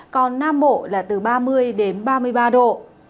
còn nam bộ là từ ba mươi đến ba mươi ba độ